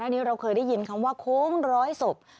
อันนี้เราเคยได้ยินคำว่าโค้งร้อยศพ